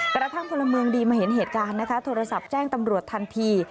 กระทั่งพลเมืองดีมาเห็นเหตุการณ์นะคะโทรศัพท์แจ้งตำรวจทันที